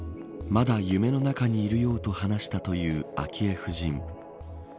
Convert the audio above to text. まだ夢の中にいるようと話したという昭恵夫人。